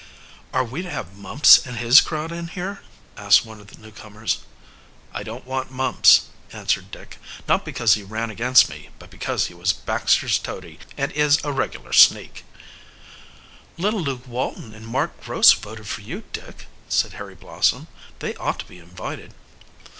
"Are we to have Mumps and his crowd in here?" asked one of the newcomers. "I don't want Mumps," answered Dick. "Not because he ran against me, but because he was Baxter's toady and is a regular sneak." "Little Luke Walton and Mark Gross voted for you, Dick," said Harry Blossom. "They ought to be invited."